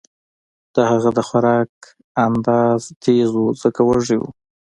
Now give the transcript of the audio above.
د هغه د خوراک انداز تېز و ځکه وږی و